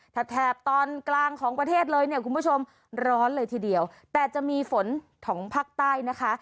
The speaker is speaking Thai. แถบตอนกลางของประเทศเลยเนี่ยคุณผู้ชมร้อนเลยทีเดียวแต่จะมีฝนของภาคใต้นะคะ